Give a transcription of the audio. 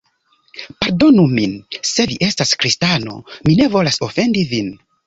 Pardonu min se vi estas kristano, mi ne volas ofendi vin.